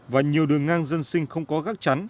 và nhiều đường ngang dân sinh không có gác chắn